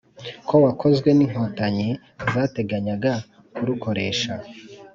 ko wakozwe n'Inkotanyi zateganyaga kurukoresha